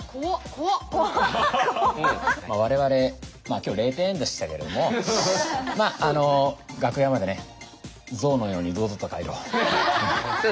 我々今日０点でしたけどもまあ楽屋までね象のように堂々と帰ろう。